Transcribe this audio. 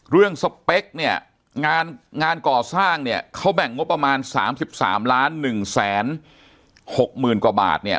เรื่องสเปคเนี่ยงานก่อสร้างเนี่ยเขาแบ่งงบประมาณ๓๓ล้าน๑แสน๖หมื่นกว่าบาทเนี่ย